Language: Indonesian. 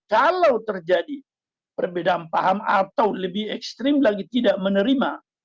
kalau terjadi perbedaan paham atau lebih ekstrim lagi tidak menerima